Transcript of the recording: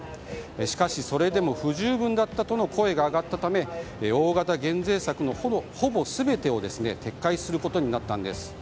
しかし、それでも不十分だったとの声が上がったため大型減税策のほぼ全てを撤回することになったんです。